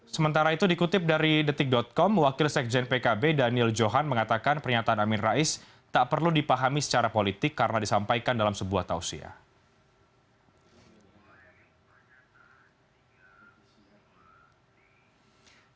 sementara itu dikutip dari detik com wakil sekjen pkb daniel johan mengatakan pernyataan amin rais tak perlu dipahami secara politik karena disampaikan dalam sebuah tausiah